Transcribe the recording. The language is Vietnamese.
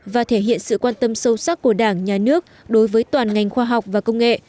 và thể hiện sự quan tâm sâu sắc của đảng nhà nước đối với toàn ngành khoa học và công nghệ